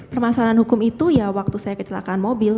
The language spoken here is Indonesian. permasalahan hukum itu ya waktu saya kecelakaan mobil